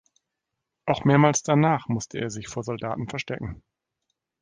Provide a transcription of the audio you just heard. Auch mehrmals danach musste er sich vor Soldaten verstecken.